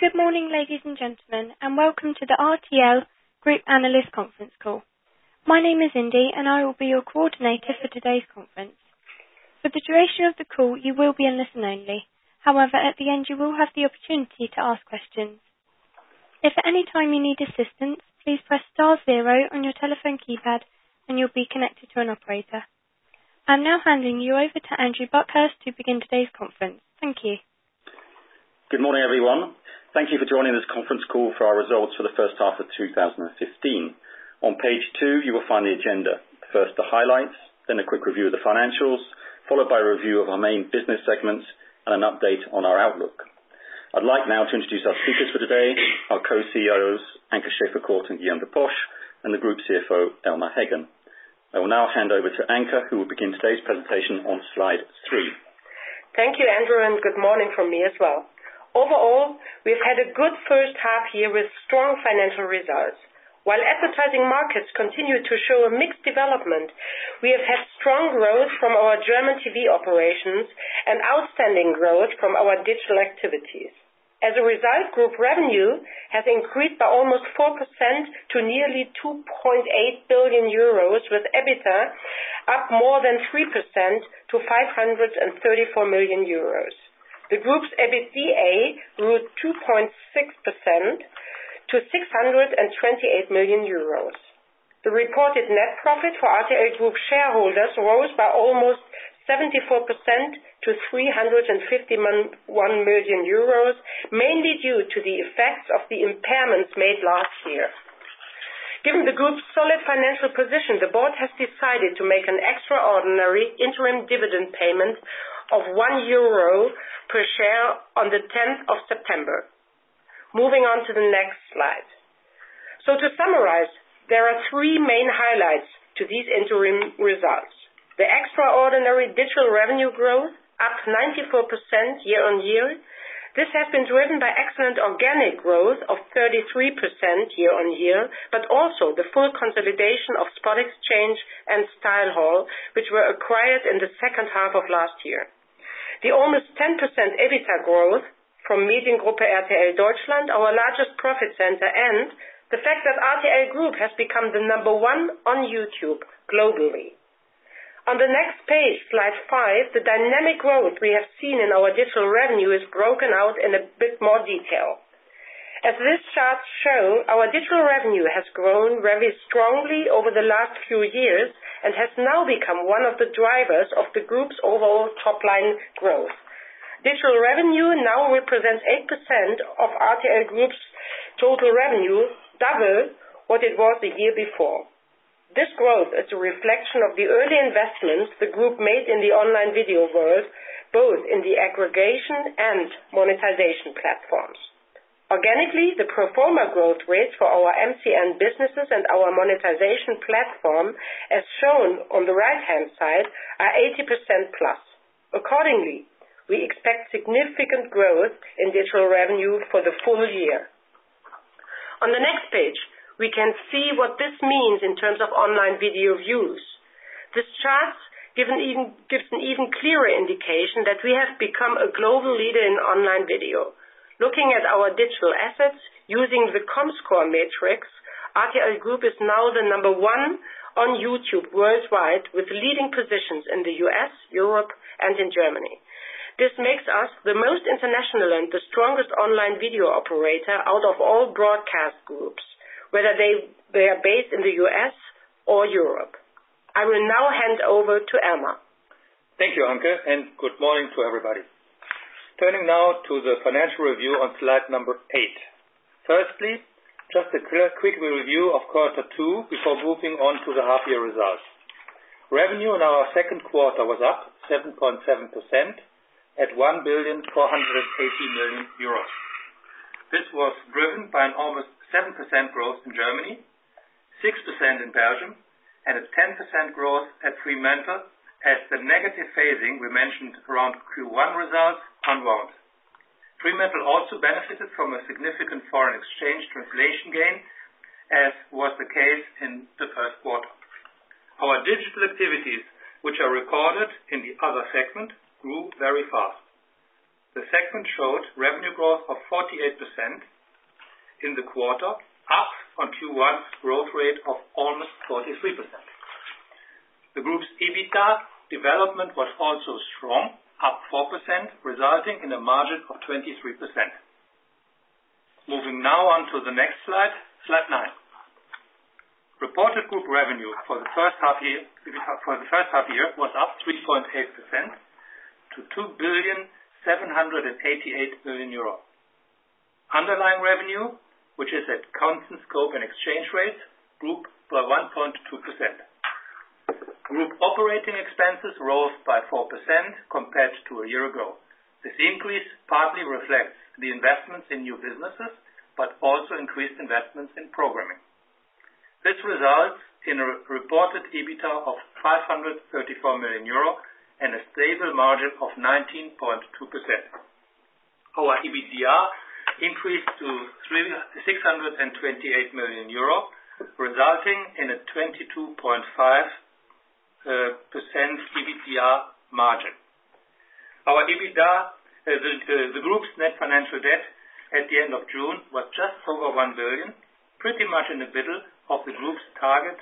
Good morning, ladies and gentlemen, welcome to the RTL Group analyst conference call. My name is Indy, I will be your coordinator for today's conference. For the duration of the call, you will be on listen only. However, at the end, you will have the opportunity to ask questions. If at any time you need assistance, please press star zero on your telephone keypad and you'll be connected to an operator. I'm now handing you over to Andrew Buckhurst to begin today's conference. Thank you. Good morning, everyone. Thank you for joining this conference call for our results for the first half of 2015. On page two, you will find the agenda. First, the highlights, a quick review of the financials, followed by a review of our main business segments and an update on our outlook. I'd like now to introduce our speakers for today, our Co-CEOs, Anke Schäferkordt and Guillaume de Posch, and the Group CFO, Elmar Heggen. I will now hand over to Anke, who will begin today's presentation on slide three. Thank you, Andrew, good morning from me as well. Overall, we've had a good first half year with strong financial results. While advertising markets continue to show a mixed development, we have had strong growth from our German TV operations and outstanding growth from our digital activities. As a result, group revenue has increased by almost 4% to nearly 2.8 billion euros, with EBITDA up more than 3% to 534 million euros. The group's EBITDA grew 2.6% to 628 million euros. The reported net profit for RTL Group shareholders rose by almost 74% to 351 million euros, mainly due to the effects of the impairments made last year. Given the group's solid financial position, the board has decided to make an extraordinary interim dividend payment of one euro per share on the 10th of September. Moving on to the next slide. To summarize, there are three main highlights to these interim results. The extraordinary digital revenue growth, up 94% year-on-year. This has been driven by excellent organic growth of 33% year-on-year, also the full consolidation of SpotXchange and StyleHaul, which were acquired in the second half of last year. The almost 10% EBITDA growth from Mediengruppe RTL Deutschland, our largest profit center, and the fact that RTL Group has become the number one on YouTube globally. On the next page, slide five, the dynamic growth we have seen in our digital revenue is broken out in a bit more detail. As these charts show, our digital revenue has grown very strongly over the last few years and has now become one of the drivers of the group's overall top-line growth. Digital revenue now represents 8% of RTL Group's total revenue, double what it was the year before. This growth is a reflection of the early investments the group made in the online video world, both in the aggregation and monetization platforms. Organically, the pro forma growth rates for our MCN businesses and our monetization platform, as shown on the right-hand side, are 80%+. Accordingly, we expect significant growth in digital revenue for the full year. On the next page, we can see what this means in terms of online video views. This chart gives an even clearer indication that we have become a global leader in online video. Looking at our digital assets using the Comscore Metrix, RTL Group is now the number one on YouTube worldwide, with leading positions in the U.S., Europe, and in Germany. This makes us the most international and the strongest online video operator out of all broadcast groups, whether they are based in the U.S. or Europe. I will now hand over to Elmar. Thank you, Anke, and good morning to everybody. Turning now to the financial review on slide number eight. Firstly, just a quick review of quarter two before moving on to the half year results. Revenue in our second quarter was up 7.7% at 1.48 billion. This was driven by an almost 7% growth in Germany, 6% in Belgium, and a 10% growth at Fremantle, as the negative phasing we mentioned around Q1 results unwound. Fremantle also benefited from a significant foreign exchange translation gain, as was the case in the first quarter. Our digital activities, which are recorded in the other segment, grew very fast. The segment showed revenue growth of 48% in the quarter, up on Q1's growth rate of almost 43%. The group's EBITDA development was also strong, up 4%, resulting in a margin of 23%. Moving now on to the next slide nine. Reported group revenue for the first half year was up 3.8% to 2.788 billion. Underlying revenue, which is at constant scope and exchange rates, grew by 1.2%. Group operating expenses rose by 4% compared to a year ago. This increase partly reflects the investments in new businesses but also increased investments in programming. This results in a reported EBITDA of 534 million euro and a stable margin of 19.2%. Our EBITDA increased to 628 million euro, resulting in a 22.5% EBITDA margin. Our EBITDA, the Group's net financial debt at the end of June was just over 1 billion, pretty much in the middle of the Group's target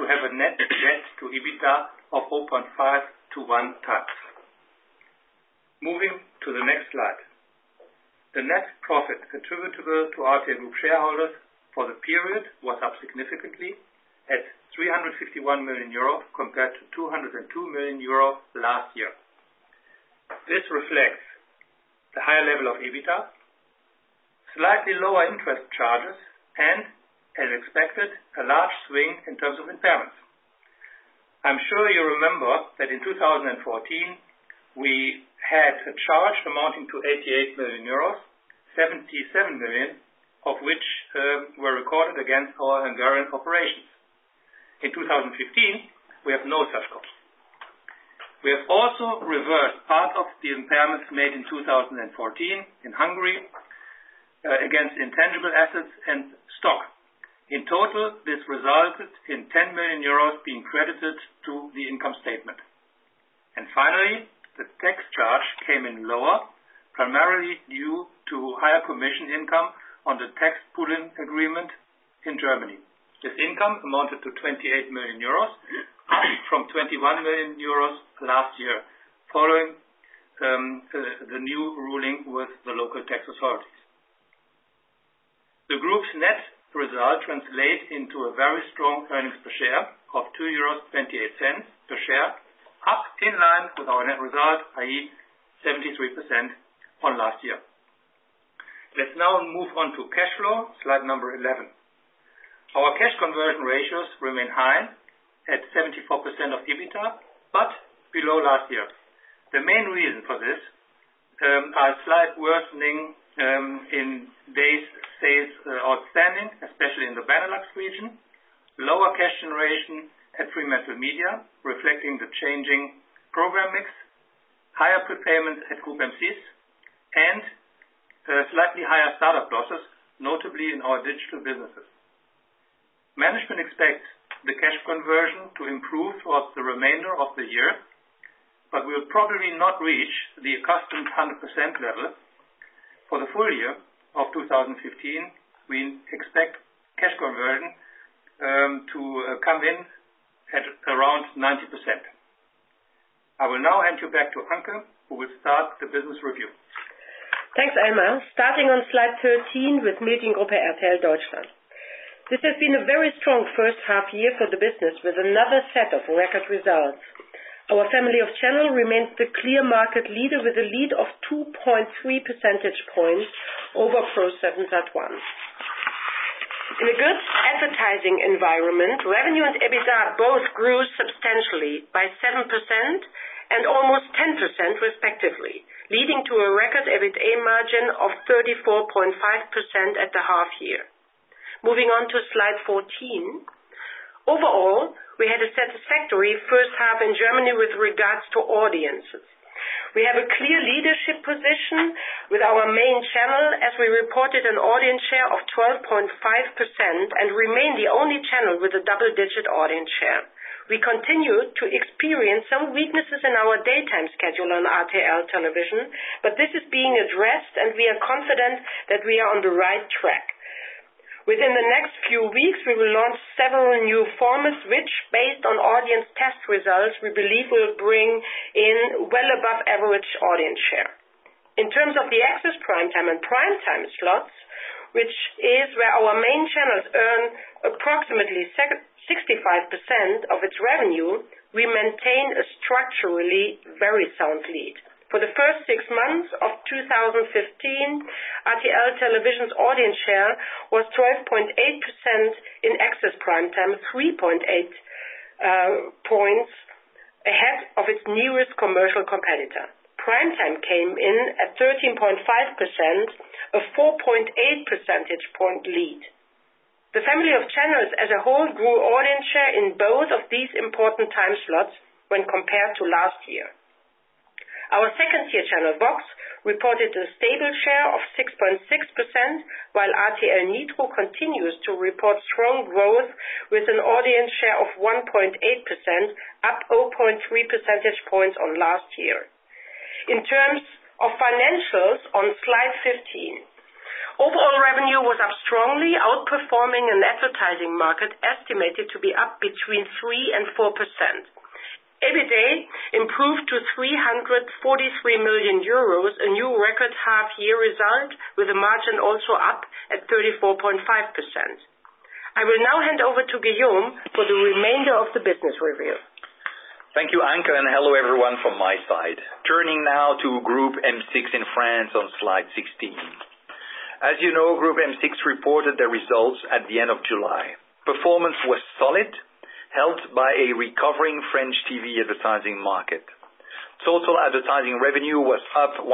to have a net debt to EBITDA of 0.5 to one times. Moving to the next slide. The net profit attributable to RTL Group shareholders for the period was up significantly at 351 million euro compared to 202 million euro last year. This reflects the higher level of EBITDA, slightly lower interest charges, and as expected, a large swing in terms of impairments. I am sure you remember that in 2014, we had a charge amounting to 88 million euros, 77 million of which were recorded against our Hungarian operations. In 2015, we have no such costs. We have also reversed part of the impairments made in 2014 in Hungary against intangible assets and stock. In total, this resulted in 10 million euros being credited to the income statement. Finally, the tax charge came in lower, primarily due to higher commission income on the tax pooling agreement in Germany. This income amounted to 28 million euros from 21 million euros last year, following the new ruling with the local tax authorities. The Group's net result translates into a very strong earnings per share of 2.28 euros per share, up in line with our net result, i.e., 73% on last year. Let us now move on to cash flow, slide number 11. Our cash conversion ratios remain high at 74% of EBITDA, but below last year. The main reason for this are a slight worsening in days sales outstanding, especially in the Benelux region, lower cash generation at FremantleMedia, reflecting the changing program mix, higher prepayments at Groupe M6, and slightly higher startup losses, notably in our digital businesses. Management expects the cash conversion to improve throughout the remainder of the year, but we will probably not reach the accustomed 100% level. For the full year of 2015, we expect cash conversion to come in at around 90%. I will now hand you back to Anke, who will start the business review. Thanks, Elmar. Starting on slide 13 with Mediengruppe RTL Deutschland. This has been a very strong first half year for the business with another set of record results. Our family of channels remains the clear market leader with a lead of 2.3 percentage points over ProSiebenSat.1. In a good advertising environment, revenue and EBITDA both grew substantially by 7% and almost 10% respectively, leading to a record EBITDA margin of 34.5% at the half year. Moving on to slide 14. Overall, we had a satisfactory first half in Germany with regards to audiences. We have a clear leadership position with our main channel as we reported an audience share of 12.5% and remain the only channel with a double-digit audience share. We continue to experience some weaknesses in our daytime schedule on RTL Television, but this is being addressed, and we are confident that we are on the right track. Within the next few weeks, we will launch several new formats, which based on audience test results, we believe will bring in well above average audience share. In terms of the access prime time and prime time slots, which is where our main channels earn approximately 65% of its revenue, we maintain a structurally very sound lead. For the first six months of 2015, RTL Television's audience share was 12.8% in access prime time, 3.8 points ahead of its nearest commercial competitor. Prime time came in at 13.5%, a 4.8 percentage point lead. The family of channels as a whole grew audience share in both of these important time slots when compared to last year. Our second-tier channel VOX reported a stable share of 6.6%, while RTL Nitro continues to report strong growth with an audience share of 1.8%, up 0.3 percentage points on last year. In terms of financials on Slide 15, overall revenue was up strongly, outperforming an advertising market estimated to be up between 3% and 4%. EBITDA improved to 343 million euros, a new record half year result with a margin also up at 34.5%. I will now hand over to Guillaume for the remainder of the business review. Thank you, Anke, and hello, everyone from my side. Turning now to Groupe M6 in France on Slide 16. As you know, Groupe M6 reported their results at the end of July. Performance was solid, helped by a recovering French TV advertising market. Total advertising revenue was up 1.3%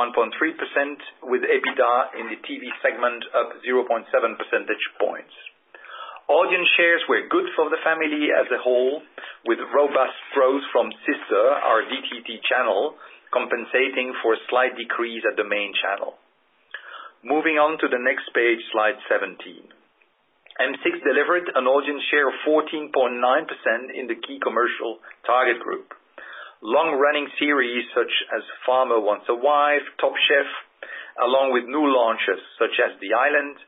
with EBITDA in the TV segment up 0.7 percentage points. Audience shares were good for the family as a whole, with robust growth from 6ter Channel compensating for a slight decrease at the main channel. Moving on to the next page, Slide 17. M6 delivered an audience share of 14.9% in the key commercial target group. Long-running series such as "Farmer Wants a Wife," "Top Chef," along with new launches such as "The Island,"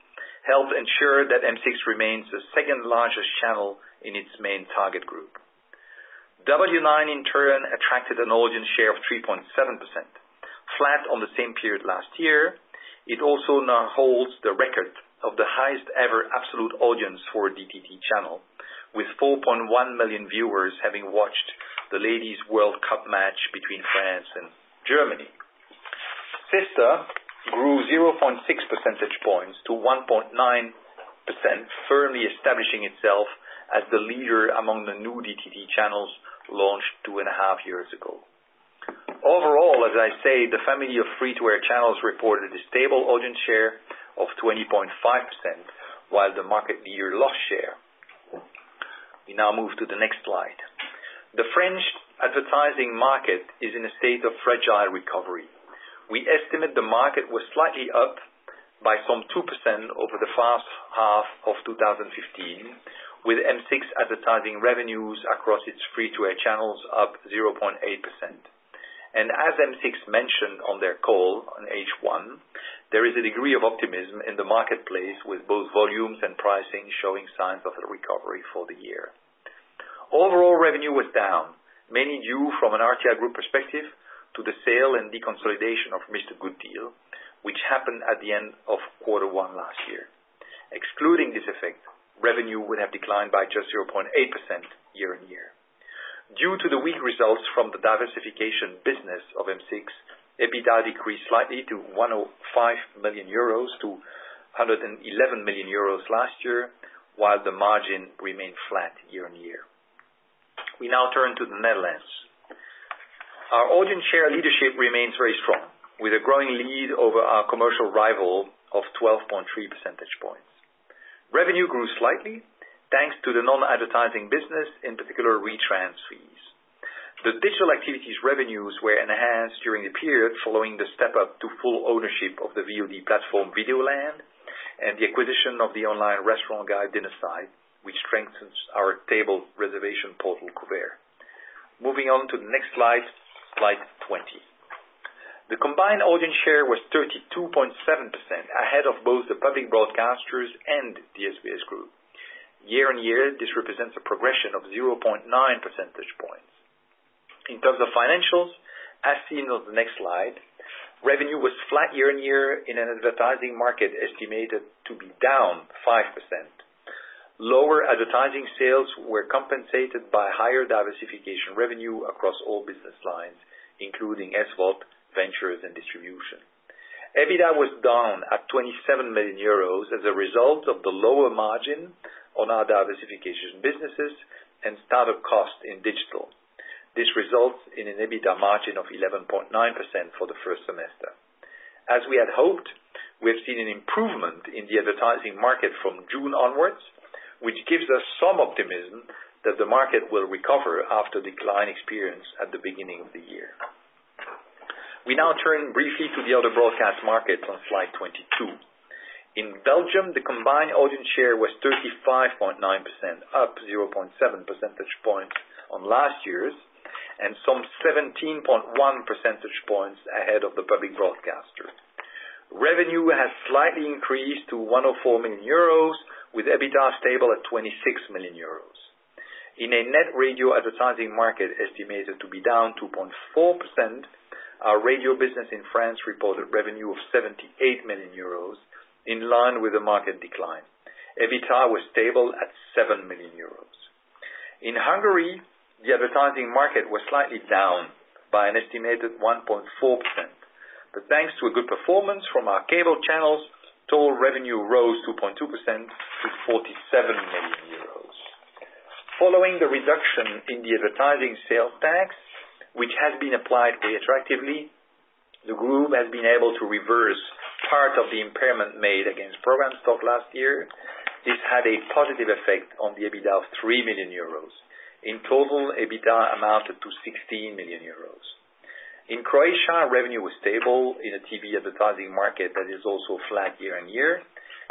helped ensure that M6 remains the second largest channel in its main target group. W9, in turn, attracted an audience share of 3.7%, flat on the same period last year. It also now holds the record of the highest ever absolute audience for a DTT channel, with 4.1 million viewers having watched the FIFA Women's World Cup match between France and Germany. 6ter grew 0.6 percentage points to 1.9%, firmly establishing itself as the leader among the new DTT channels launched two and a half years ago. Overall, as I say, the family of free-to-air channels reported a stable audience share of 20.5%, while the market year lost share. We now move to the next slide. The French advertising market is in a state of fragile recovery. We estimate the market was slightly up by some 2% over the first half of 2015, with M6 advertising revenues across its free-to-air channels up 0.8%. As M6 mentioned on their call on H1, there is a degree of optimism in the marketplace with both volumes and pricing showing signs of a recovery for the year. Overall revenue was down, mainly due from an RTL Group perspective, to the sale and deconsolidation of Mistergooddeal, which happened at the end of quarter one last year. Excluding this effect, revenue would have declined by just 0.8% year-on-year. Due to the weak results from the diversification business of M6, EBITDA decreased slightly to 105 million euros to 111 million euros last year, while the margin remained flat year-on-year. We now turn to the Netherlands. Our audience share leadership remains very strong, with a growing lead over our commercial rival of 12.3 percentage points. Revenue grew slightly, thanks to the non-advertising business, in particular retrans fees. The digital activities revenues were enhanced during the period following the step-up to full ownership of the VOD platform Videoland, and the acquisition of the online restaurant guide Dinnersite, which strengthens our table reservation portal, Couverts. Moving on to the next slide 20. The combined audience share was 32.7%, ahead of both the public broadcasters and the SBS Broadcasting Group. Year-on-year, this represents a progression of 0.9 percentage points. In terms of financials, as seen on the next slide, revenue was flat year-on-year in an advertising market estimated to be down 5%. Lower advertising sales were compensated by higher diversification revenue across all business lines, including SVOD, ventures, and distribution. EBITDA was down at 27 million euros as a result of the lower margin on our diversification businesses and start-up cost in digital. This results in an EBITDA margin of 11.9% for the first semester. As we had hoped, we have seen an improvement in the advertising market from June onwards, which gives us some optimism that the market will recover after decline experienced at the beginning of the year. We now turn briefly to the other broadcast markets on slide 22. In Belgium, the combined audience share was 35.9%, up 0.7 percentage points on last year's, and some 17.1 percentage points ahead of the public broadcaster. Revenue has slightly increased to 104 million euros, with EBITDA stable at 26 million euros. In a net radio advertising market estimated to be down 2.4%, our radio business in France reported revenue of 78 million euros in line with the market decline. EBITDA was stable at 7 million euros. In Hungary, the advertising market was slightly down by an estimated 1.4%. Thanks to a good performance from our cable channels, total revenue rose 2.2% to 47 million euros. Following the reduction in the advertising sales tax, which has been applied retroactively, the group has been able to reverse part of the impairment made against program stock last year. This had a positive effect on the EBITDA of 3 million euros. In total, EBITDA amounted to 16 million euros. In Croatia, revenue was stable in a TV advertising market that is also flat year-on-year.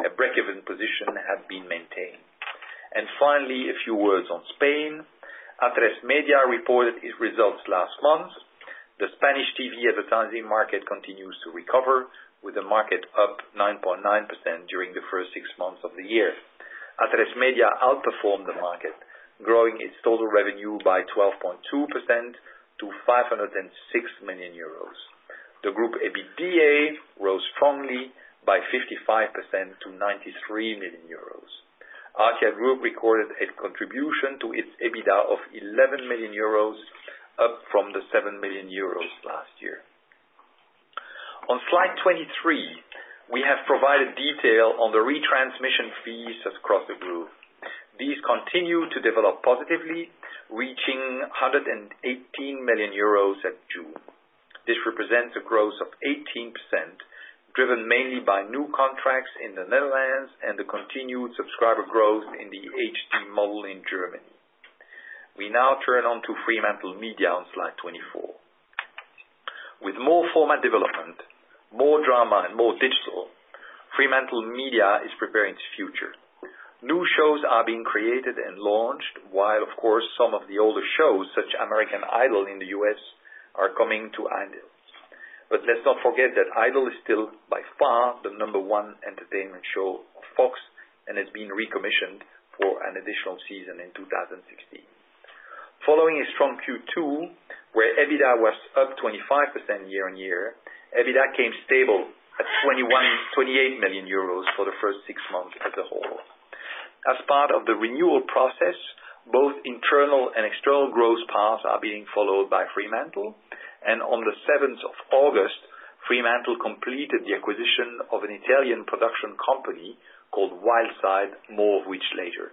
A break-even position had been maintained. Finally, a few words on Spain. Atresmedia reported its results last month. The Spanish TV advertising market continues to recover, with the market up 9.9% during the first six months of the year. Atresmedia outperformed the market, growing its total revenue by 12.2% to 506 million euros. The group EBITDA rose strongly by 55% to 93 million euros. RTL Group recorded its contribution to its EBITDA of 11 million euros, up from the 7 million euros last year. On slide 23, we have provided detail on the retransmission fees across the group. These continue to develop positively, reaching 118 million euros at June. This represents a growth of 18%, driven mainly by new contracts in the Netherlands and the continued subscriber growth in the HD+ model in Germany. We now turn on to Fremantle on slide 24. With more format development, more drama, and more digital, Fremantle is preparing its future. New shows are being created and launched, while of course, some of the older shows such as "American Idol" in the U.S. are coming to an end. Let's not forget that "Idol" is still by far the number one entertainment show of Fox, and has been recommissioned for an additional season in 2016. Following a strong Q2 where EBITDA was up 25% year-over-year, EBITDA came stable at 28 million euros for the first six months as a whole. As part of the renewal process, both internal and external growth paths are being followed by Fremantle, and on the 7th of August, Fremantle completed the acquisition of an Italian production company called Wildside, more of which later.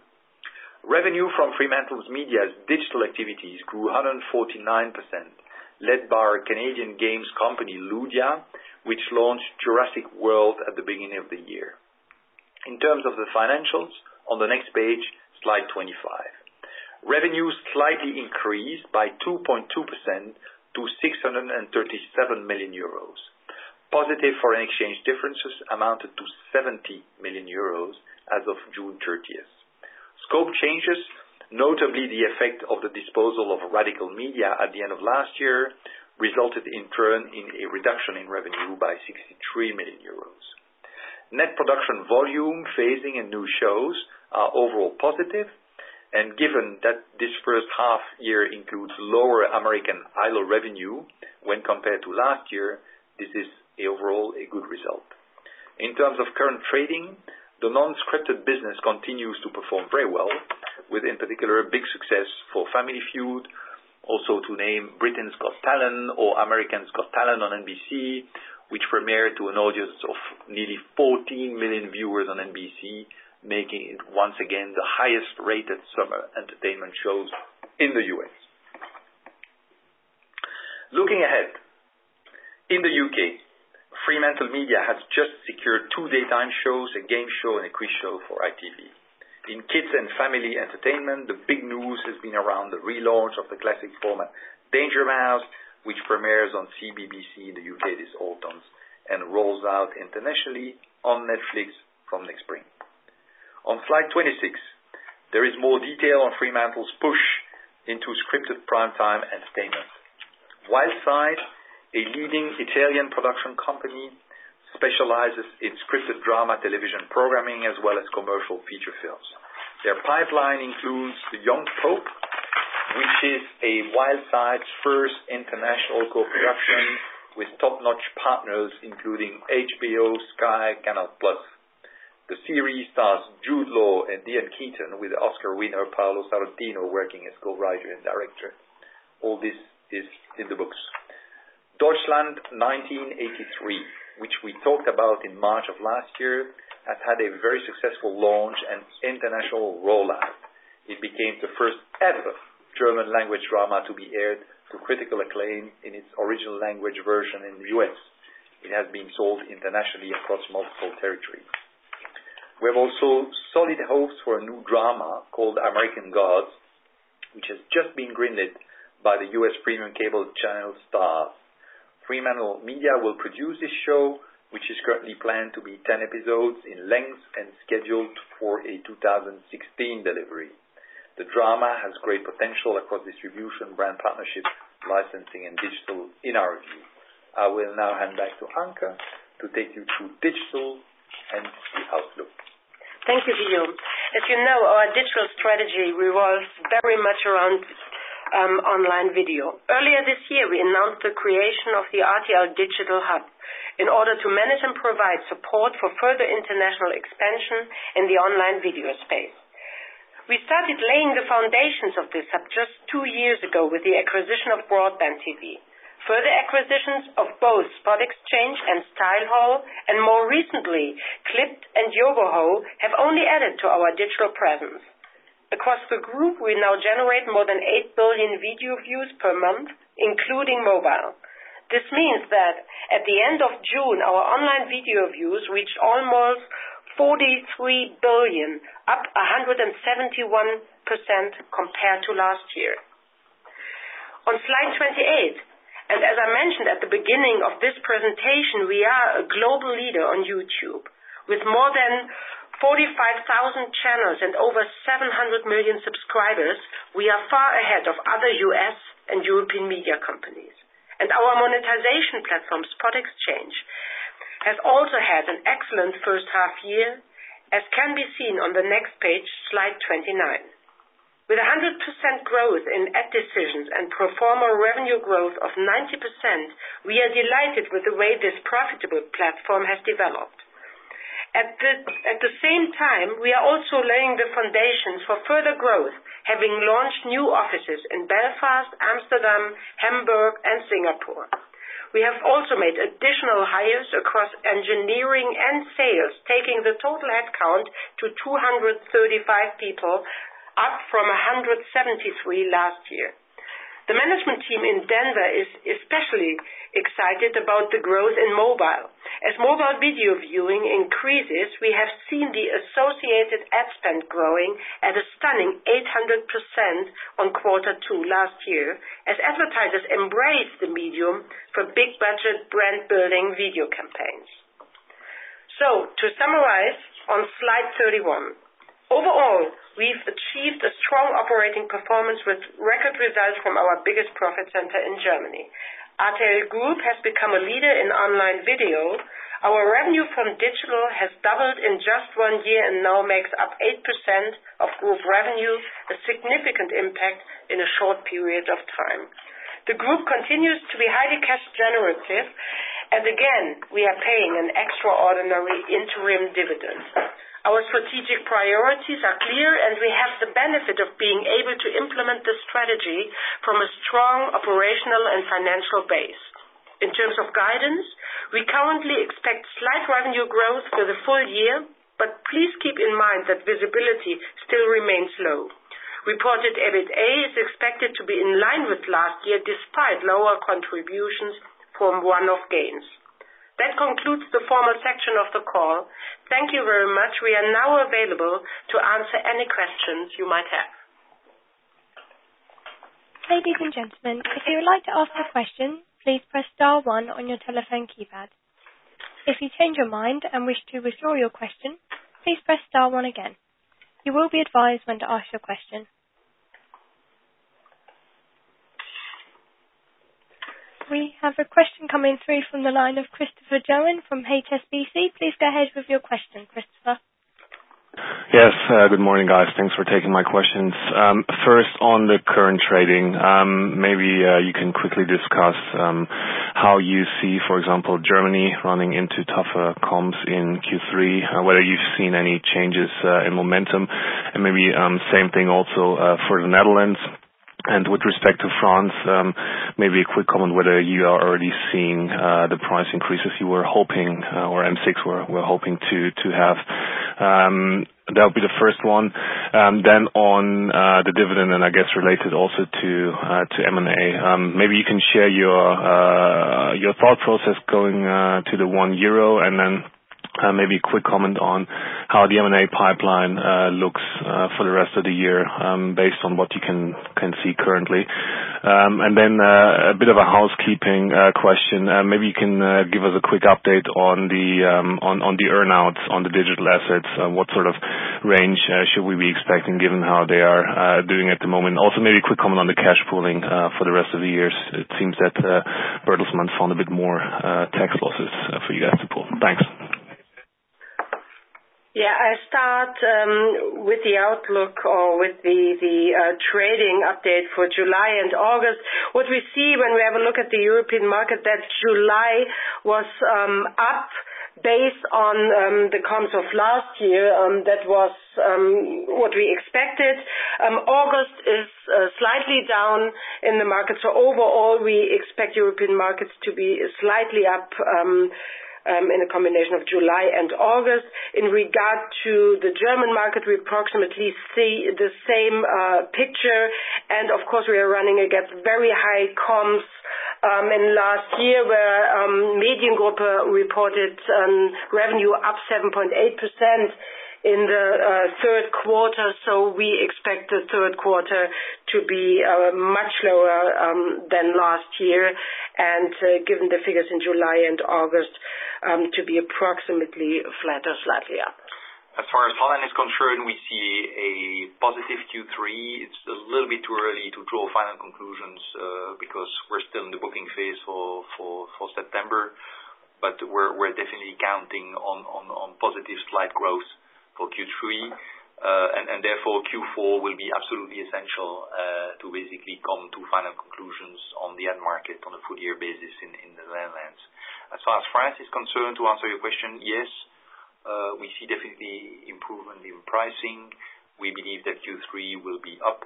Revenue from FremantleMedia's digital activities grew 149%, led by our Canadian games company, Ludia, which launched "Jurassic World" at the beginning of the year. In terms of the financials, on the next page, slide 25. Revenue slightly increased by 2.2% to 637 million euros. Positive foreign exchange differences amounted to 70 million euros as of June 30th. Scope changes, notably the effect of the disposal of Radical Media at the end of last year, resulted in turn, in a reduction in revenue by 63 million euros. Net production volume phasing and new shows are overall positive, and given that this first half year includes lower "American Idol" revenue when compared to last year, this is overall a good result. In terms of current trading, the non-scripted business continues to perform very well with, in particular, a big success for "Family Feud," also to name "Britain's Got Talent" or "America's Got Talent" on NBC, which premiered to an audience of nearly 14 million viewers on NBC, making it, once again, the highest-rated summer entertainment shows in the U.S. Looking ahead, in the U.K., FremantleMedia has just secured two daytime shows, a game show, and a quiz show for ITV. In kids and family entertainment, the big news has been around the relaunch of the classic format, "Danger Mouse," which premieres on CBBC in the U.K. this autumn and rolls out internationally on Netflix from next spring. On slide 26, there is more detail on Fremantle's push into scripted prime time entertainment. Wildside, a leading Italian production company, specializes in scripted drama television programming, as well as commercial feature films. Their pipeline includes "The Young Pope," which is Wildside's first international co-production with top-notch partners including HBO, Sky, Canal+. The series stars Jude Law and Diane Keaton with Oscar winner Paolo Sorrentino working as co-writer and director. All this is in the books. Deutschland 83," which we talked about in March of last year, has had a very successful launch and international rollout. It became the first-ever German language drama to be aired to critical acclaim in its original language version in the U.S. It has been sold internationally across multiple territories. We have also solid hopes for a new drama called "American Gods," which has just been greenlit by the U.S. premium cable channel Starz. FremantleMedia will produce this show, which is currently planned to be 10 episodes in length and scheduled for a 2016 delivery. The drama has great potential across distribution, brand partnerships, licensing, and digital in our view. I will now hand back to Anke to take you through digital and the outlook. Thank you, Guillaume. As you know, our digital strategy revolves very much around online video. Earlier this year, we announced the creation of the RTL Digital Hub in order to manage and provide support for further international expansion in the online video space. We started laying the foundations of this hub just two years ago with the acquisition of BroadbandTV. Further acquisitions of both SpotXchange and StyleHaul, and more recently, Clypd and YoBoHo, have only added to our digital presence. Across the group, we now generate more than 8 billion video views per month, including mobile. This means that at the end of June, our online video views reached almost 43 billion, up 171% compared to last year. On slide 28. As I mentioned at the beginning of this presentation, we are a global leader on YouTube. With more than 45,000 channels and over 700 million subscribers, we are far ahead of other U.S. and European media companies. Our monetization platform, SpotXchange, has also had an excellent first half year, as can be seen on the next page, slide 29. With 100% growth in ad decisions and pro forma revenue growth of 90%, we are delighted with the way this profitable platform has developed. At the same time, we are also laying the foundation for further growth, having launched new offices in Belfast, Amsterdam, Hamburg, and Singapore. We have also made additional hires across engineering and sales, taking the total headcount to 235 people, up from 173 last year. The management team in Denver is especially excited about the growth in mobile. As mobile video viewing increases, we have seen the associated ad spend growing at a stunning 800% on quarter two last year, as advertisers embrace the medium for big budget brand-building video campaigns. To summarize on slide 31. Overall, we've achieved a strong operating performance with record results from our biggest profit center in Germany. RTL Group has become a leader in online video. Our revenue from digital has doubled in just one year and now makes up 8% of group revenue, a significant impact in a short period of time. The group continues to be highly cash generative, and again, we are paying an extraordinary interim dividend. Our strategic priorities are clear, and we have the benefit of being able to implement this strategy from a strong operational and financial base. In terms of guidance, we currently expect slight revenue growth for the full year. Please keep in mind that visibility still remains low. Reported EBITA is expected to be in line with last year, despite lower contributions from one-off gains. That concludes the formal section of the call. Thank you very much. We are now available to answer any questions you might have. Ladies and gentlemen, if you would like to ask a question, please press star one on your telephone keypad. If you change your mind and wish to withdraw your question, please press star one again. You will be advised when to ask your question. We have a question coming through from the line of Christopher Johnen from HSBC. Please go ahead with your question, Christopher. Yes. Good morning, guys. Thanks for taking my questions. First, on the current trading, maybe you can quickly discuss how you see, for example, Germany running into tougher comps in Q3, whether you've seen any changes in momentum. With respect to France, maybe a quick comment whether you are already seeing the price increase, if you were hoping or M6 were hoping to have. That'll be the first one. On the dividend, and I guess related also to M&A. Maybe you can share your thought process going to the 1 euro. Maybe a quick comment on how the M&A pipeline looks for the rest of the year, based on what you can see currently. A bit of a housekeeping question. Maybe you can give us a quick update on the earn-outs on the digital assets. What sort of range should we be expecting given how they are doing at the moment? Maybe a quick comment on the cash pooling for the rest of the years. It seems that Bertelsmann found a bit more tax losses for you guys to pool. Thanks. Yeah. I start with the outlook or with the trading update for July and August. What we see when we have a look at the European market, July was up based on the comps of last year. That was what we expected. August is slightly down in the market. Overall, we expect European markets to be slightly up in a combination of July and August. In regard to the German market, we approximately see the same picture. Of course, we are running against very high comps in last year, where Mediengruppe reported revenue up 7.8% in the third quarter. We expect the third quarter to be much lower than last year. Given the figures in July and August, to be approximately flat or slightly up. As far as Holland is concerned, we see a positive Q3. It's a little bit too early to draw final conclusions, because we're still in the booking phase for September. We're definitely counting on positive slight growth for Q3. Therefore Q4 will be absolutely essential to basically come to final conclusions on the end market on a full year basis in the Netherlands. As far as France is concerned, to answer your question, yes. We see definitely improvement in pricing. We believe that Q3 will be up.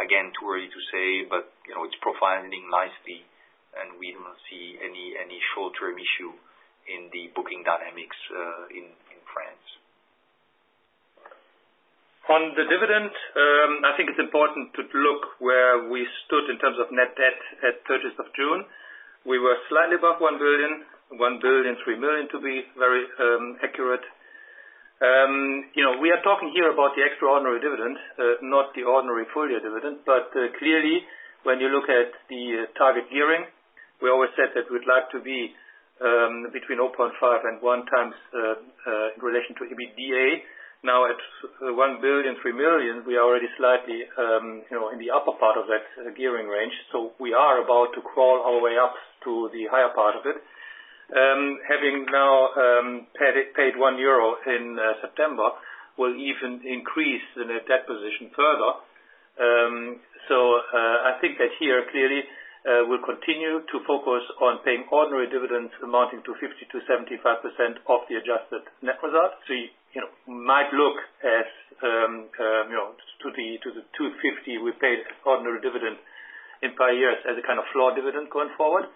Again, too early to say, but it's profiling nicely and we don't see any short-term issue in the booking dynamics in France. On the dividend, I think it's important to look where we stood in terms of net debt at 30th of June. We were slightly above 1 billion, 3 million, to be very accurate. We are talking here about the extraordinary dividend, not the ordinary full-year dividend. Clearly, when you look at the target gearing, we always said that we'd like to be between 0.5 and 1 times in relation to EBITDA. Now at 1 billion, 3 million, we are already slightly in the upper part of that gearing range. We are about to crawl our way up to the higher part of it. Having now paid 1 euro in September will even increase the net debt position further. I think that here, clearly, we'll continue to focus on paying ordinary dividends amounting to 50%-75% of the adjusted net result. You might look at to the 250 we paid ordinary dividend in prior years as a kind of floor dividend going forward.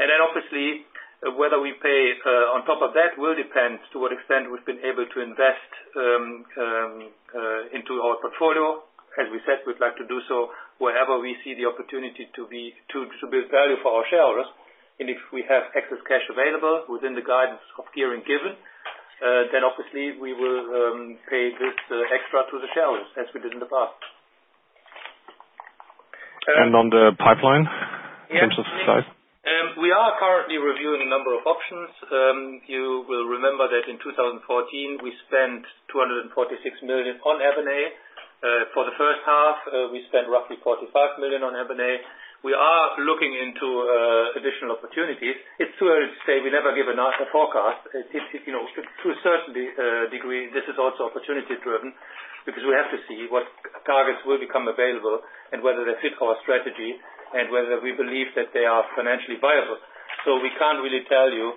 Obviously, whether we pay on top of that will depend to what extent we've been able to invest into our portfolio. As we said, we'd like to do so wherever we see the opportunity to build value for our shareholders. If we have excess cash available within the guidance of gearing given, obviously we will pay this extra to the shareholders as we did in the past. On the pipeline in terms of size. We are currently reviewing a number of options. You will remember that in 2014, we spent 246 million on M&A. For the first half, we spent roughly 45 million on M&A. We are looking into additional opportunities. It's too early to say. We never give a forecast. To a certain degree, this is also opportunity-driven because we have to see what targets will become available and whether they fit our strategy and whether we believe that they are financially viable. We can't really tell you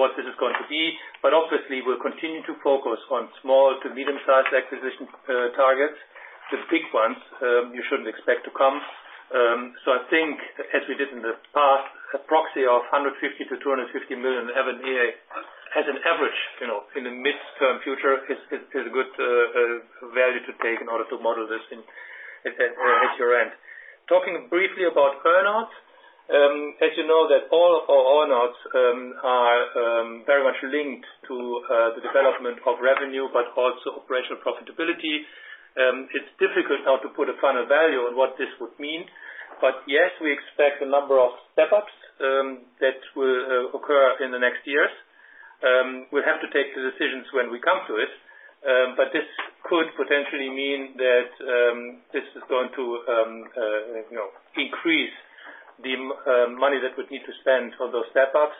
what this is going to be, but obviously, we'll continue to focus on small to medium-sized acquisition targets. The big ones, you shouldn't expect to come. I think, as we did in the past, a proxy of 150 million-250 million in M&A as an average in the midterm future is a good value to take in order to model this at your end. Talking briefly about earn-outs. As you know that all our earn-outs are very much linked to the development of revenue, but also operational profitability. It's difficult now to put a final value on what this would mean. Yes, we expect a number of step-ups that will occur in the next years. We'll have to take the decisions when we come to it. This could potentially mean that this is going to increase the money that we need to spend for those step-ups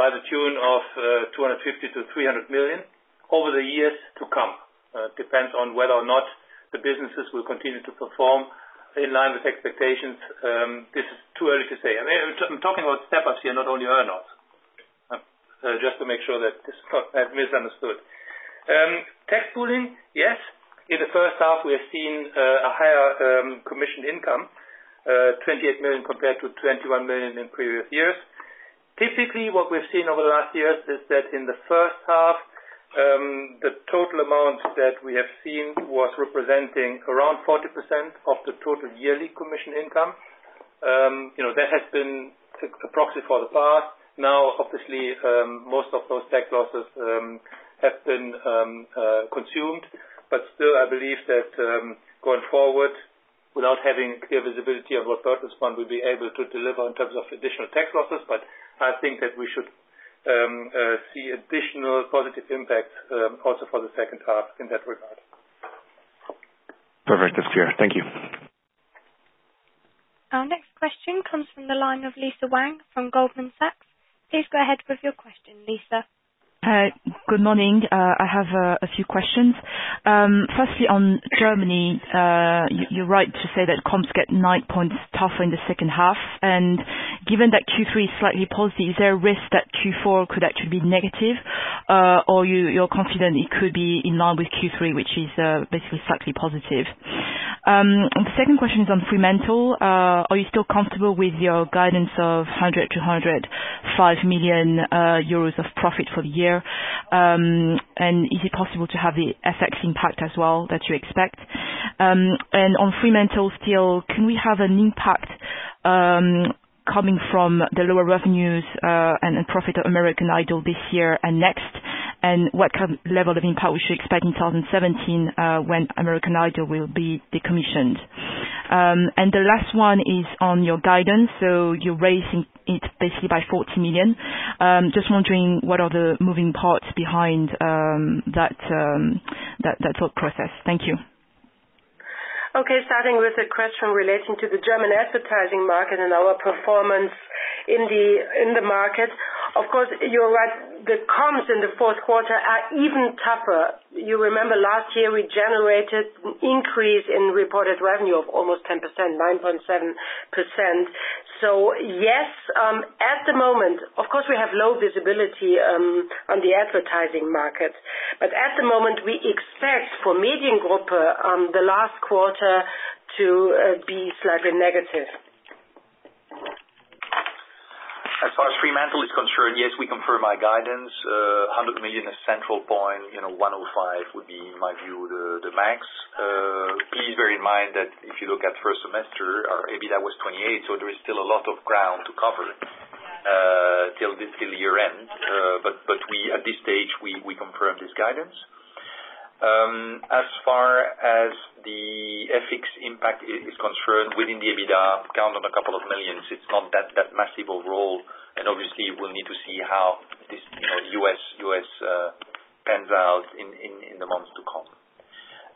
by the tune of 250 million-300 million over the years to come. Depends on whether or not the businesses will continue to perform in line with expectations. This is too early to say. I'm talking about step-ups here, not only earn-outs. Just to make sure that this is not misunderstood. Tax pooling. Yes. In the first half, we have seen a higher commission income, 28 million compared to 21 million in previous years. Typically, what we've seen over the last years is that in the first half, the total amount that we have seen was representing around 40% of the total yearly commission income. That has been a proxy for the past. Obviously, most of those tax losses have been consumed, still, I believe that going forward, without having clear visibility of what Bertelsmann will be able to deliver in terms of additional tax losses, I think that we should see additional positive impact also for the second half in that regard. Perfect. That's clear. Thank you. Our next question comes from the line of Lisa Yang from Goldman Sachs. Please go ahead with your question, Lisa. Good morning. I have a few questions. Firstly, on Germany, you're right to say that comps get nine points tougher in the second half. Given that Q3 is slightly positive, is there a risk that Q4 could actually be negative? You're confident it could be in line with Q3, which is basically slightly positive. The second question is on Fremantle. Are you still comfortable with your guidance of 100 million-105 million euros of profit for the year? Is it possible to have the FX impact as well that you expect? On Fremantle still, can we have an impact coming from the lower revenues and profit of "American Idol" this year and next? What level of impact we should expect in 2017 when "American Idol" will be decommissioned? The last one is on your guidance. You're raising it basically by 40 million. Just wondering what are the moving parts behind that whole process. Thank you. Okay. Starting with the question relating to the German advertising market and our performance in the market. Of course, you're right. The comps in the fourth quarter are even tougher. You remember last year, we generated an increase in reported revenue of almost 10%, 9.7%. Yes, at the moment, of course, we have low visibility on the advertising market. At the moment, we expect for Mediengruppe the last quarter to be slightly negative. As far as Fremantle is concerned, yes, we confirm our guidance. 100 million is central point. 105 would be, in my view, the max. Please bear in mind that if you look at first semester, our EBITDA was 28 million, there is still a lot of ground to cover till year-end. At this stage, we confirm this guidance. As far as the FX impact is concerned, within the EBITDA, count on a couple of million. It's not that massive a role. Obviously, we'll need to see how this U.S. pans out in the months to come.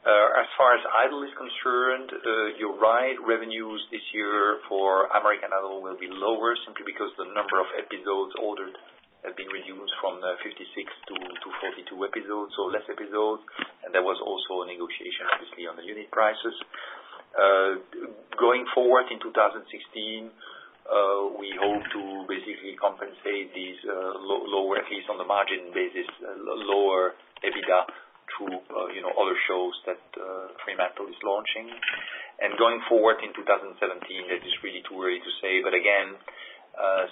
As far as Idol is concerned, you're right, revenues this year for "American Idol" will be lower simply because the number of episodes ordered have been reduced from 56 to 42 episodes, less episodes. There was also a negotiation, obviously, on the unit prices. Going forward in 2016, we hope to compensate these lower, at least on the margin basis, lower EBITDA through other shows that Fremantle is launching. Going forward in 2017, it is really too early to say. Again,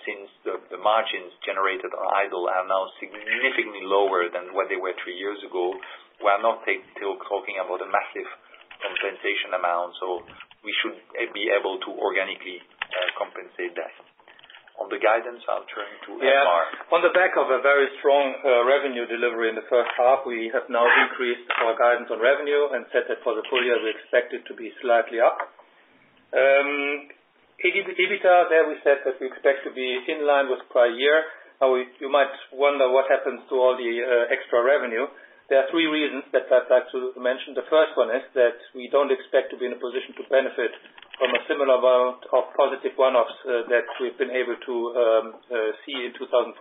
since the margins generated by Idol are now significantly lower than what they were three years ago, we are not still talking about a massive compensation amount, so we should be able to organically compensate that. On the guidance, I'll turn to Elmar. Yeah. On the back of a very strong revenue delivery in the first half, we have now increased our guidance on revenue and set it for the full year. We expect it to be slightly up. EBITDA, there we said that we expect to be in line with prior year. You might wonder what happens to all the extra revenue. There are three reasons that I'd like to mention. The first one is that we don't expect to be in a position to benefit from a similar amount of positive one-offs that we've been able to see in 2014.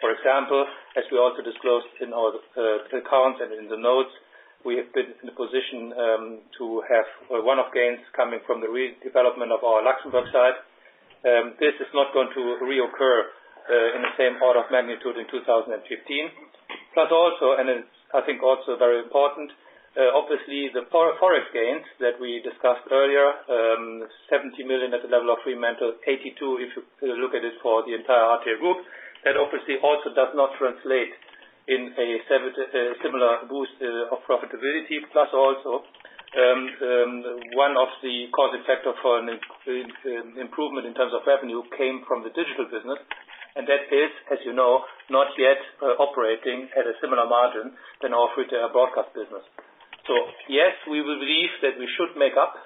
For example, as we also disclosed in all the accounts and in the notes, we have been in a position to have one-off gains coming from the redevelopment of our Luxembourg site. This is not going to reoccur in the same order of magnitude in 2015. I think also very important, obviously the Forex gains that we discussed earlier, 70 million at the level of Fremantle, 82 million, if you look at it for the entire RTL Group. That obviously also does not translate in a similar boost of profitability. One of the causing factors for an improvement in terms of revenue came from the digital business, and that is, as you know, not yet operating at a similar margin than our free-to-air broadcast business. Yes, we believe that we should make up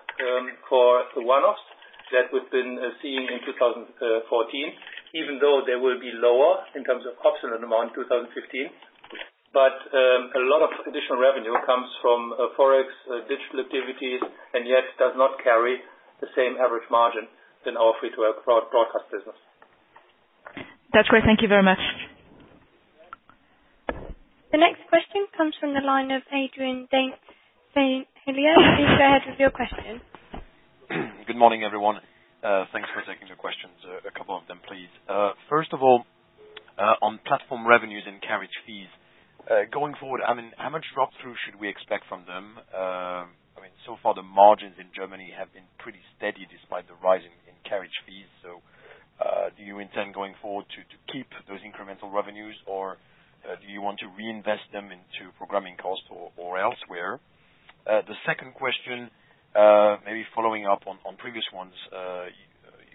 for the one-offs that we've been seeing in 2014, even though they will be lower in terms of absolute amount 2015. A lot of additional revenue comes from Forex digital activities, and yet does not carry the same average margin than our free-to-air broadcast business. That's great. Thank you very much. The next question comes from the line of Adrien de Saint Hilaire. Adrien, please go ahead with your question. Good morning, everyone. Thanks for taking the questions. A couple of them, please. First of all, on platform revenues and carriage fees. Going forward, how much drop-through should we expect from them? Far the margins in Germany have been pretty steady despite the rise in carriage fees. Do you intend going forward to keep those incremental revenues, or do you want to reinvest them into programming costs or elsewhere? The second question, maybe following up on previous ones.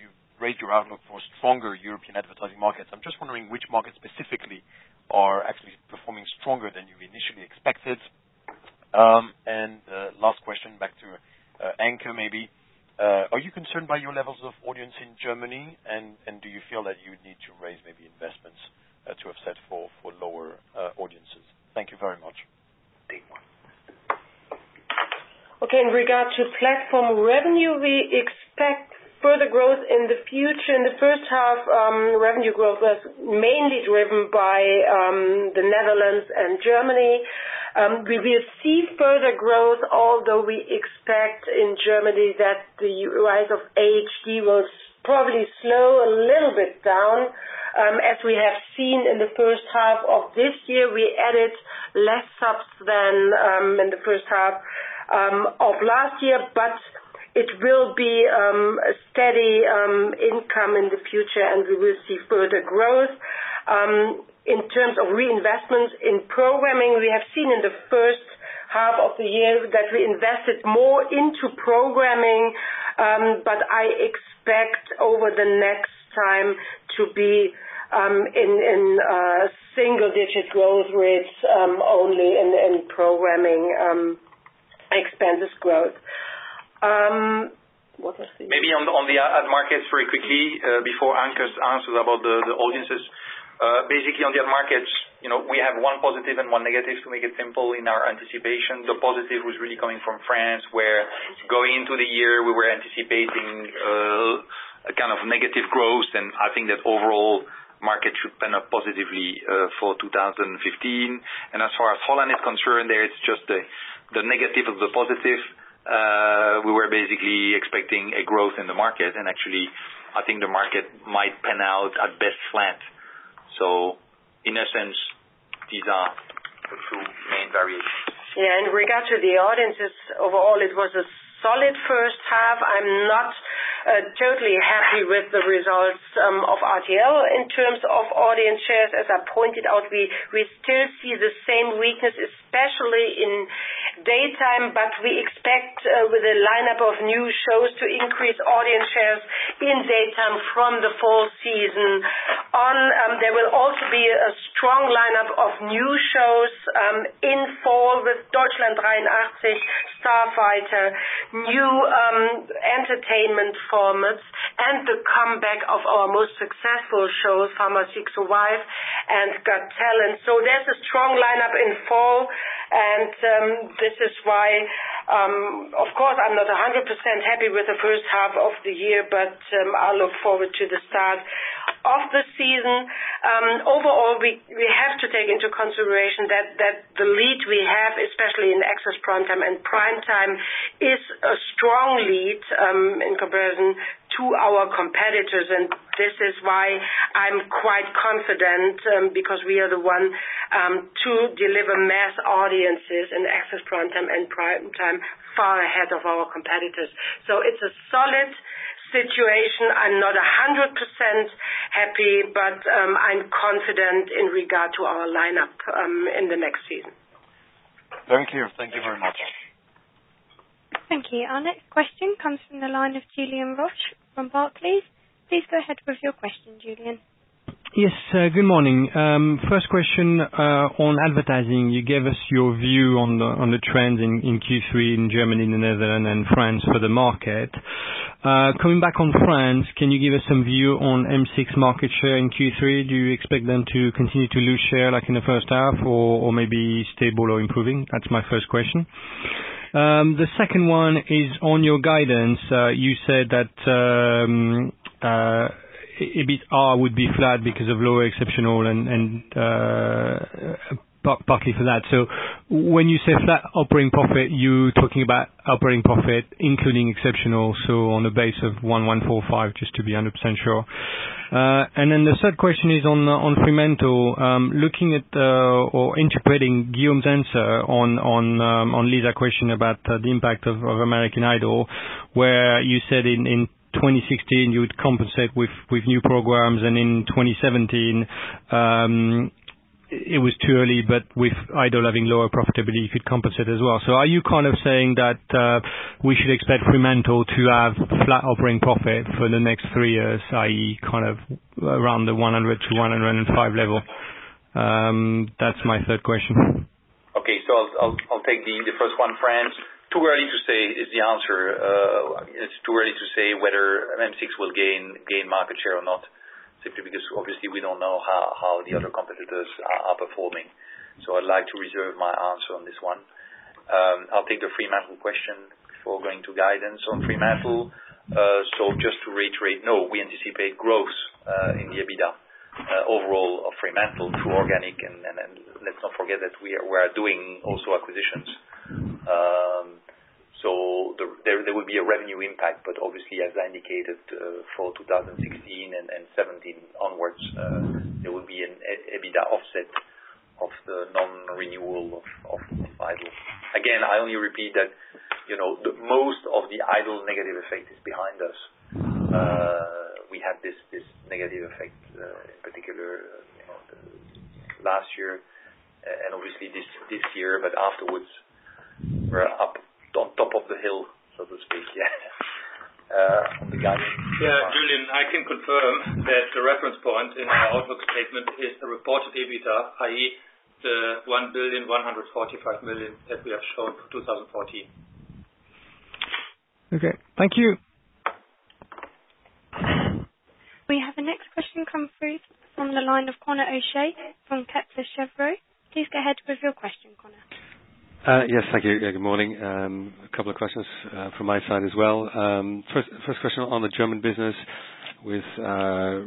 You've raised your outlook for stronger European advertising markets. I'm just wondering which markets specifically are actually performing stronger than you initially expected. Last question back to Anke, maybe. Are you concerned by your levels of audience in Germany? Do you feel that you need to raise maybe investments to offset for lower audiences? Thank you very much. Okay. In regard to platform revenue, we expect further growth in the future. In the first half, revenue growth was mainly driven by the Netherlands and Germany. We will see further growth, although we expect in Germany that the rise of HD+ will probably slow a little bit down. As we have seen in the first half of this year, we added less subs than in the first half of last year. It will be a steady income in the future, and we will see further growth. In terms of reinvestments in programming, we have seen in the first half of the year that we invested more into programming, but I expect over the next time to be in single-digit growth rates, only in programming expenses growth. Maybe on the ad markets very quickly, before Anke answers about the audiences. Basically on the ad markets, we have one positive and one negative to make it simple in our anticipation. The positive was really coming from France, where going into the year, we were anticipating a kind of negative growth. I think that overall market should pan up positively for 2015. As far as Holland is concerned, there it's just the negative of the positive. We were basically expecting a growth in the market and actually, I think the market might pan out at best flat. In essence, these are the two main variations. Yeah. In regard to the audiences overall, it was a solid first half. I'm not totally happy with the results of RTL in terms of audience shares. As I pointed out, we still see the same weakness, especially in daytime, but we expect with a lineup of new shows to increase audience shares in daytime from the fall season on. There will also be a strong lineup of new shows, in fall with "Deutschland 83," "Starfighter." New entertainment formats and the comeback of our most successful shows, "Farmer Seeks a Wife" and "Got Talent." There's a strong lineup in fall, and this is why, of course, I'm not 100% happy with the first half of the year, but I look forward to the start of the season. Overall, we have to take into consideration that the lead we have, especially in access prime time and prime time, is a strong lead in comparison to our competitors. This is why I'm quite confident, because we are the one to deliver mass audiences in access prime time and prime time far ahead of our competitors. It's a solid situation. I'm not 100% happy, but I'm confident in regard to our lineup in the next season. Thank you. Thank you. Our next question comes from the line of Julien Roch from Barclays. Please go ahead with your question, Julien. Yes. Good morning. First question on advertising. You gave us your view on the trends in Q3 in Germany, the Netherlands, and France for the market. Coming back on France, can you give us some view on M6 market share in Q3? Do you expect them to continue to lose share like in the first half or maybe stable or improving? That's my first question. The second one is on your guidance. You said that EBITA would be flat because of lower exceptional and partly for that. When you say flat operating profit, you talking about operating profit including exceptional, so on a base of 1,145, just to be 100% sure. The third question is on Fremantle. Looking at or interpreting Guillaume's answer on Lisa question about the impact of American Idol, where you said in 2016 you would compensate with new programs and in 2017, it was too early, but with Idol having lower profitability, you could compensate as well. Are you saying that we should expect Fremantle to have flat operating profit for the next three years, i.e., around the 100-105 level? That's my third question. Okay. I'll take the first one, France. Too early to say is the answer. It's too early to say whether M6 will gain market share or not, simply because obviously we don't know how the other competitors are performing. I'd like to reserve my answer on this one. I'll take the Fremantle question before going to guidance. On Fremantle, just to reiterate, no, we anticipate growth in the EBITDA overall of Fremantle through organic, and let's not forget that we are doing also acquisitions. There will be a revenue impact, but obviously as I indicated for 2016 and 2017 onwards, there will be an EBITDA offset of the non-renewal of Idol. Again, I only repeat that most of the Idol negative effect is behind us. We had this negative effect in particular last year and obviously this year. Afterwards, we're up on top of the hill, so to speak. On the guidance. Julien, I can confirm that the reference point in our outlook statement is the reported EBITDA, i.e., the 1,145,000,000 that we have shown for 2014. Okay. Thank you. We have the next question come through from the line of Conor O'Shea from Kepler Cheuvreux. Please go ahead with your question, Conor. Yes, thank you. Good morning. A couple of questions from my side as well. First question on the German business. With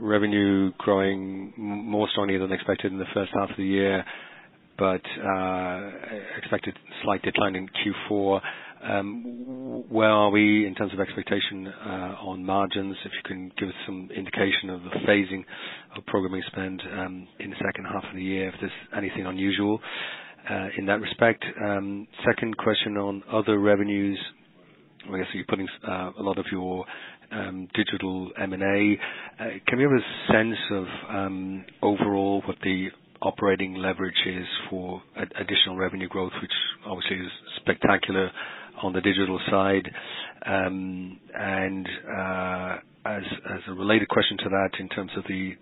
revenue growing more strongly than expected in the first half of the year, but expected slight decline in Q4, where are we in terms of expectation on margins? If you can give us some indication of the phasing of program you spend in the second half of the year, if there's anything unusual in that respect. Second question on other revenues. Obviously, you're putting a lot of your digital M&A. Can we have a sense of overall what the operating leverage is for additional revenue growth, which obviously is spectacular on the digital side? As a related question to that, in terms of the deal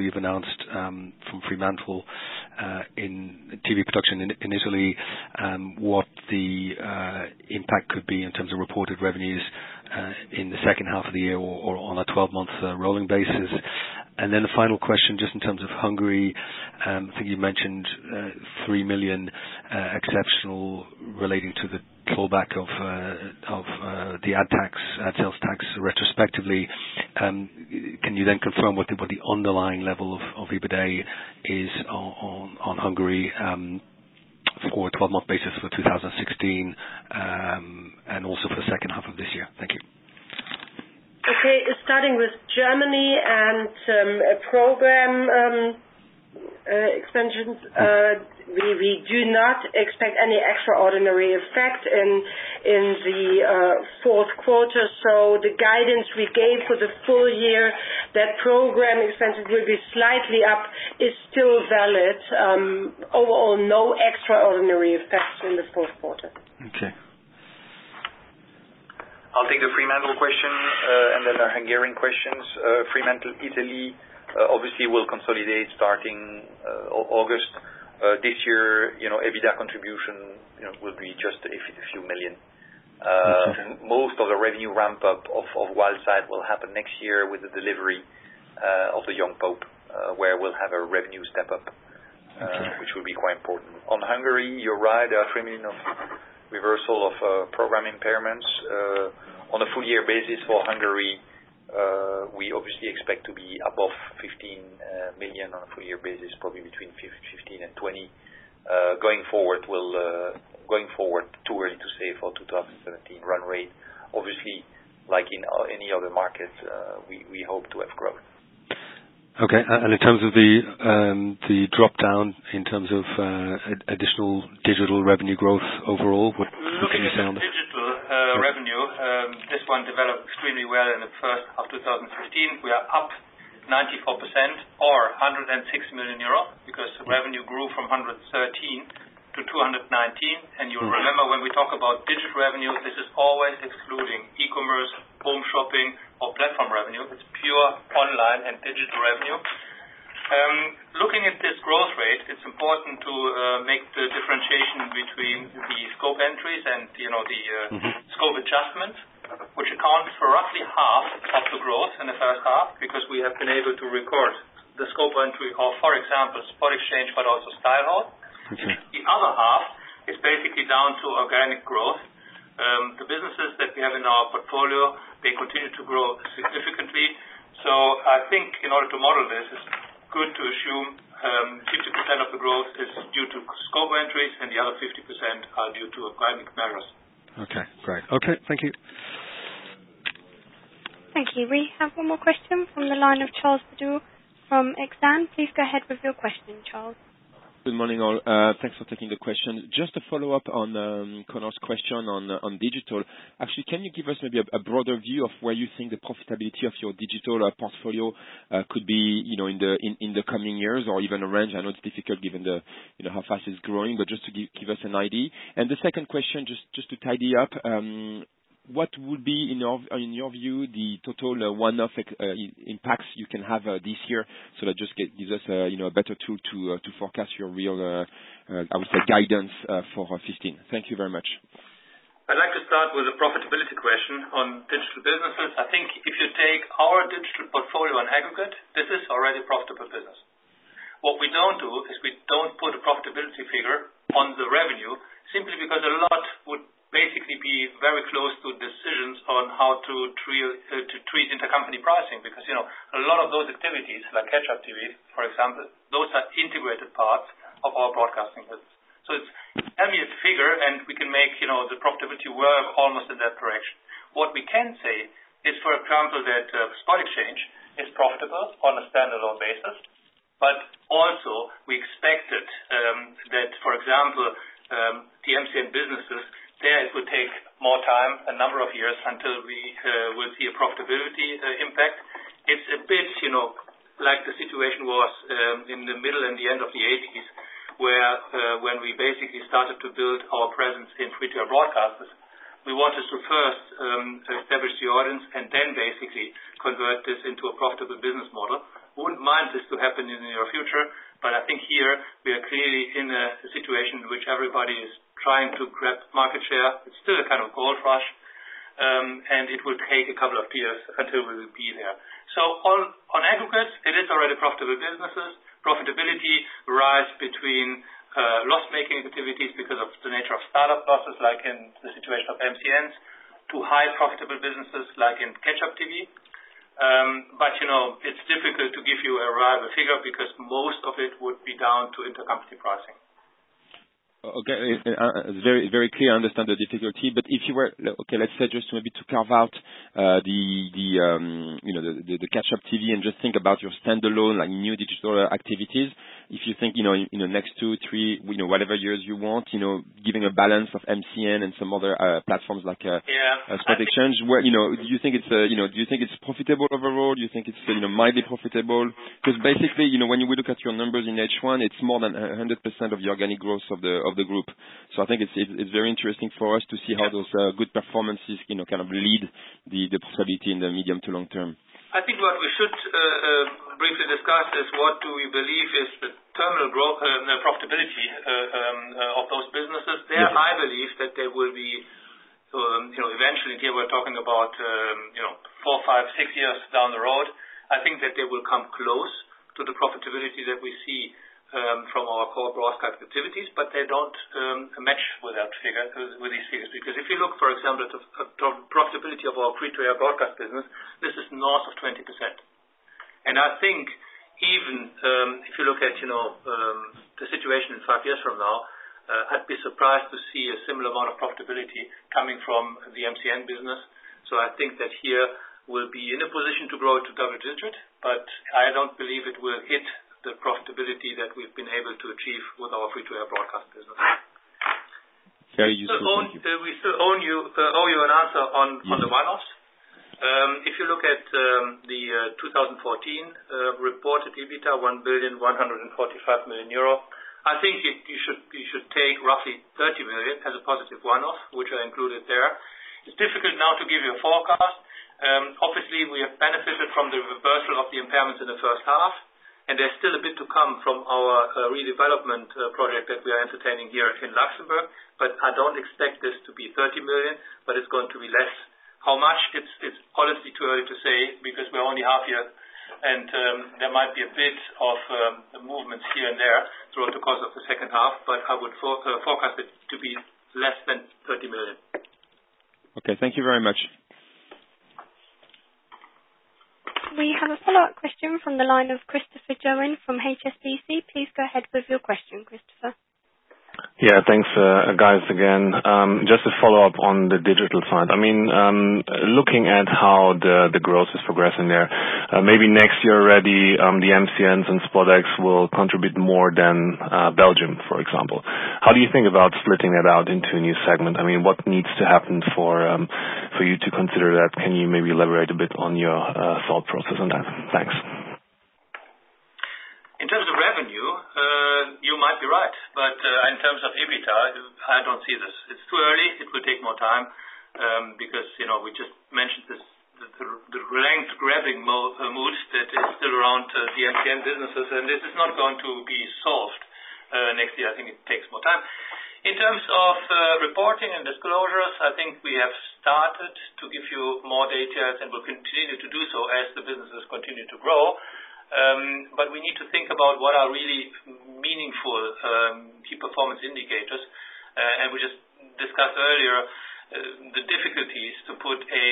you've announced from Fremantle in TV production in Italy, what the impact could be in terms of reported revenues in the second half of the year or on a 12-month rolling basis? Then the final question, just in terms of Hungary, I think you mentioned 3 million exceptional relating to the pullback of the ad sales tax retrospectively. Can you confirm what the underlying level of EBITDA is on Hungary for a 12-month basis for 2016, and also for the second half of this year? Thank you. Okay. Starting with Germany and program extensions. We do not expect any extraordinary effect in the fourth quarter. The guidance we gave for the full year, that program expenses will be slightly up, is still valid. Overall, no extraordinary effects in the fourth quarter. I'll take the Fremantle question, then the Hungarian questions. Fremantle Italy obviously will consolidate starting August. This year, EBITDA contribution will be just a few million. Most of the revenue ramp-up of Wildside will happen next year with the delivery of The Young Pope, where we'll have a revenue step-up. It will be quite important. On Hungary, you're right. There are framing of reversal of program impairments. On a full year basis for Hungary, we obviously expect to be above 15 million on a full year basis, probably between 15 million and 20 million. Going forward, too early to say for 2017 run rate. Obviously, like in any other market, we hope to have growth. Okay. In terms of the drop-down, in terms of additional digital revenue growth overall, what can you say on this? Looking at digital revenue, this one developed extremely well in the first half of 2015. We are up 94% or 106 million euro because revenue grew from 113 million to 219 million. You'll remember when we talk about digital revenue, this is always excluding e-commerce, home shopping, or platform revenue. It's pure online and digital revenue. Looking at this growth rate, it's important to make the differentiation between the scope entries. scope adjustments, which account for roughly half of the growth in the first half, because we have been able to record the scope entry of, for example, SpotXchange, but also StyleHaul. Okay. The other half is basically down to organic growth. The businesses that we have in our portfolio, they continue to grow significantly. I think in order to model this, it's good to assume 50% of the growth is due to scope entries and the other 50% are due to organic matters. Okay, great. Okay. Thank you. Thank you. We have one more question from the line of Charles Bedouelle from Exane. Please go ahead with your question, Charles. Good morning, all. Thanks for taking the question. Just a follow-up on Conor's question on digital. Actually, can you give us maybe a broader view of where you think the profitability of your digital portfolio could be in the coming years or even a range? I know it's difficult given how fast it's growing, but just to give us an idea. The second question, just to tidy up. What would be, in your view, the total one-off impacts you can have this year, so that just gives us a better tool to forecast your real, I would say, guidance for 2015. Thank you very much. I'd like to start with the profitability question on digital businesses. I think if you take our digital portfolio on aggregate, this is already profitable business. What we don't do is we don't put a profitability figure on the revenue, simply because a lot would basically be very close to decisions on how to treat intercompany pricing, because a lot of those activities, like Catch Up TV, for example, those are integrated parts of our broadcasting business. It's an ambiguous figure, and we can make the profitability work almost in that direction. What we can say is, for example, that SpotXchange is profitable on a standalone basis. Also, we expected that, for example, the MCN businesses, there it would take more time, a number of years, until we will see a profitability impact. It's a bit like the situation was in the middle and the end of the 1980s, when we basically started to build our presence in free-to-air broadcasters. We wanted to first establish the audience and then basically convert this into a profitable business model. We wouldn't mind this to happen in the near future, but I think here we are clearly in a situation in which everybody is trying to grab market share. It's still a kind of gold rush, and it will take a couple of years until we will be there. On aggregate, it is already profitable businesses. Profitability rise between loss-making activities because of the nature of startup process, like in the situation of MCNs, to high profitable businesses like in Catch Up TV. It's difficult to give you a reliable figure because most of it would be down to intercompany pricing. Okay. Very clear. I understand the difficulty. Let's say just maybe to carve out the Catch Up TV and just think about your standalone, new digital activities. If you think in the next two, three, whatever years you want, giving a balance of MCN and some other platforms like Yeah SpotXchange. Do you think it's profitable overall? Do you think it's mildly profitable? Basically, when we look at your numbers in H1, it's more than 100% of the organic growth of the group. I think it's very interesting for us to see how those good performances can lead the profitability in the medium to long term. I think what we should briefly discuss is what do we believe is the terminal profitability of those businesses. There I believe that they will be, eventually, here we're talking about four, five, six years down the road. I think that they will come close to the profitability that we see from our core broadcast activities, but they don't match with that figure we see. If you look, for example, at the profitability of our free-to-air broadcast business, this is north of 20%. I think even if you look at the situation in five years from now, I'd be surprised to see a similar amount of profitability coming from the MCN business. I think that here we'll be in a position to grow to double-digit, but I don't believe it will hit the profitability that we've been able to achieve with our free-to-air broadcast business. Very useful. Thank you. We still owe you an answer on the one-offs. If you look at the 2014 reported EBITDA, 1,145 million euro. I think you should take roughly 30 million as a positive one-off, which I included there. It's difficult now to give you a forecast. Obviously, we have benefited from the reversal of the impairments in the first half, and there's still a bit to come from our redevelopment project that we are entertaining here in Luxembourg, but I don't expect this to be 30 million, but it's going to be less. How much? It's honestly too early to say. We're only half year, and there might be a bit of movements here and there throughout the course of the second half, but I would forecast it to be less than 30 million. Okay, thank you very much. We have a follow-up question from the line of Christopher Jones from HSBC. Please go ahead with your question, Christopher. Yeah. Thanks, guys, again. Just a follow-up on the digital side. Looking at how the growth is progressing there, maybe next year already, the MCNs and SpotX will contribute more than Belgium, for example. How do you think about splitting that out into a new segment? What needs to happen for you to consider that? Can you maybe elaborate a bit on your thought process on that? Thanks. In terms of revenue, you might be right, but in terms of EBITDA, I don't see this. It's too early. It will take more time, because we just mentioned the land grabbing mood that is still around the MCN businesses, and this is not going to be solved next year. I think it takes more time. In terms of reporting and disclosures, I think we have started to give you more details, and we'll continue to do so as the businesses continue to grow. We need to think about what are really meaningful key performance indicators. We just discussed earlier the difficulties to put a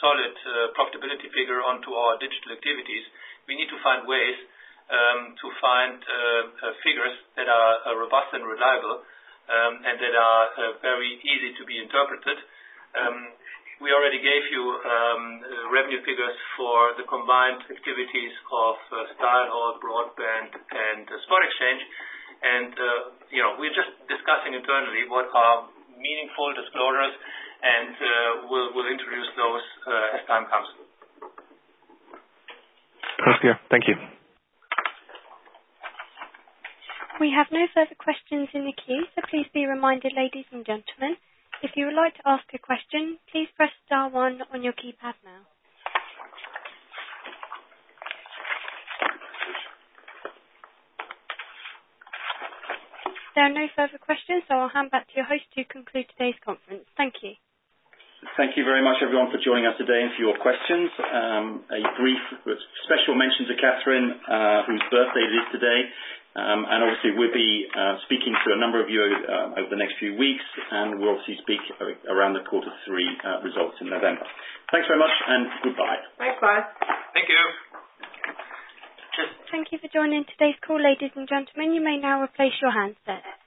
solid profitability figure onto our digital activities. We need to find ways to find figures that are robust and reliable, and that are very easy to be interpreted. We already gave you revenue figures for the combined activities of StyleHaul, Broadband, and SpotXchange. We're just discussing internally what are meaningful disclosures. We'll introduce those as time comes. Okay. Thank you. We have no further questions in the queue. Please be reminded, ladies and gentlemen, if you would like to ask a question, please press star one on your keypad now. There are no further questions. I'll hand back to your host to conclude today's conference. Thank you. Thank you very much, everyone, for joining us today and for your questions. A brief special mention to Catherine, whose birthday it is today. Obviously, we'll be speaking to a number of you over the next few weeks. We'll obviously speak around the quarter three results in November. Thanks very much and goodbye. Bye. Bye. Thank you. Cheers. Thank you for joining today's call, ladies and gentlemen. You may now replace your handsets.